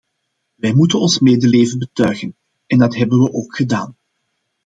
Wij moeten ons medeleven betuigen, en dat hebben we ook gedaan.